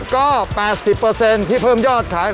ก็๘๐ที่เพิ่มยอดขาย